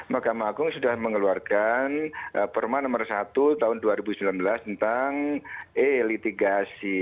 mahkamah agung sudah mengeluarkan perma nomor satu tahun dua ribu sembilan belas tentang e litigasi